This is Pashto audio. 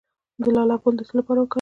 د لاله ګل د څه لپاره وکاروم؟